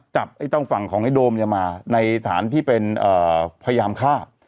จับไอ้ต้องฝั่งของไอ้โดมเนี้ยมาในฐานที่เป็นอ่าพยายามฆ่า